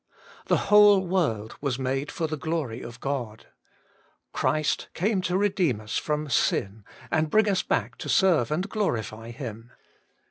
The whole world was made for the glory of God. Christ came to redeem us from sin and bring us back to serve and glorify Him.